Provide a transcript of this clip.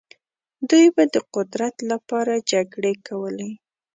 دوی به د قدرت لپاره جګړې کولې.